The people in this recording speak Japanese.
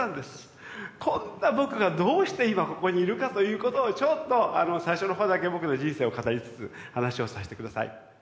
こんな僕がどうして今ここにいるかということをちょっと最初のほうだけ僕の人生を語りつつ話をさせて下さい。